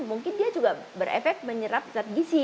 mungkin dia juga berefek menyerap zat gizi